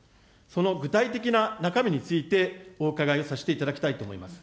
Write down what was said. その具体的な中身について、お伺いさせていただきたいと思います。